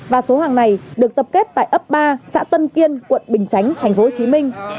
và số hàng này được tập kết tại ấp ba xã tân kiên quận bình chánh tp hcm